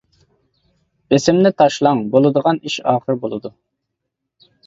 بېسىمنى تاشلاڭ بولىدىغان ئىش ئاخىرى بولىدۇ.